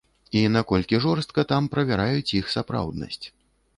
І наколькі жорстка там правяраюць іх сапраўднасць.